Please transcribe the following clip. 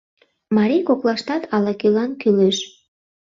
Марий коклаштат ала-кӧлан кӱлеш.